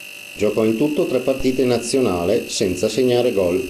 Giocò in tutto tre partite in nazionale, senza segnare gol.